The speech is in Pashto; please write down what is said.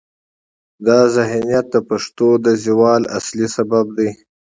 دا ذهنیت د پښتو د زوال اصلي لامل دی.